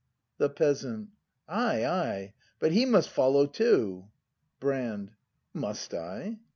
The Peasant. Ay, ay; but he must follow too! Brand. Must I